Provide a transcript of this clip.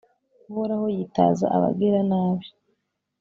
uhoraho yitaza abagiranabi